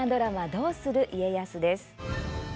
「どうする家康」です。